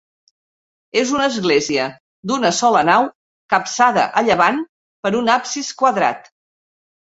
És una església d'una sola nau, capçada a llevant per un absis quadrat.